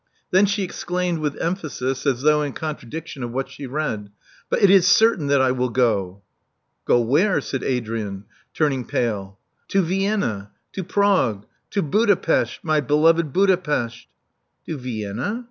Then she exclaimed with emphasis, as though in contradiction of what she read. But it is certain that I will go." Go where?" said Adrian, turning pale. To Vienna — ^to Prague — to Budapesth, my beloved Budapesth." "To Vienna!"